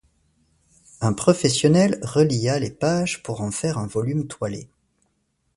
Un professionnel relia les pages pour en faire un volume toilé.